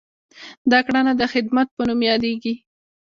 دا کړنه د خدمت په نوم یادیږي.